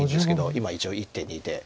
今一応１手２手。